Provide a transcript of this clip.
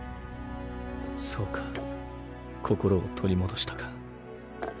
そうか心を取り戻したか。